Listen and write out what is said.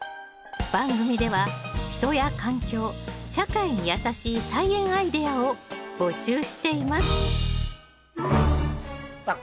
番組では人や環境社会にやさしい菜園アイデアを募集していますさあ